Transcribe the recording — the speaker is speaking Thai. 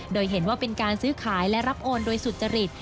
โดยเห็นว่าเป็นการซื้อขายและรับโอนโดยสุจริต